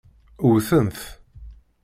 Wten-t.